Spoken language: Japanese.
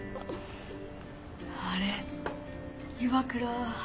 あれ岩倉悠